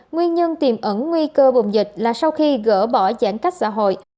nguyên nhân tiềm ẩn nguy cơ bùng dịch là sau khi gỡ bỏ giãn cách xã hội